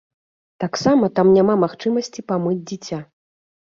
Таксама там няма магчымасці памыць дзіця.